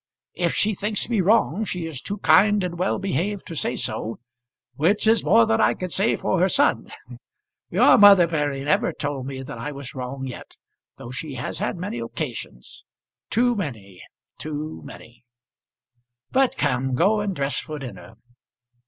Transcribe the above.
"If she thinks me wrong, she is too kind and well behaved to say so, which is more than I can say for her son. Your mother, Perry, never told me that I was wrong yet, though she has had many occasions; too many, too many. But, come, go and dress for dinner."